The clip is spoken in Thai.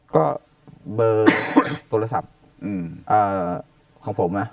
ก็เบอร์โทรศัพท์ของผม